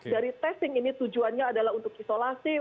dari testing ini tujuannya adalah untuk isolasi